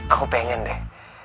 aku pengen deh